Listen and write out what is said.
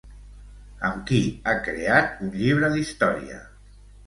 Amb qui ha creat un llibre d'història?